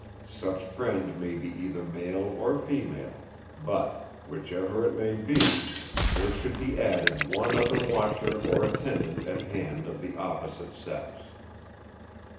Such friend may be either male or female; but, whichever it may be, there should be added one other watcher or attendant at hand of the opposite sex.